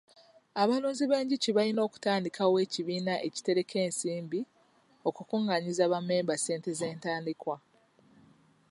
Abalunzi b'enjuki balina okutandikawo ekibiina ekitereka ensimbi okukungaanyiza bammemba ssente z'entandikwa.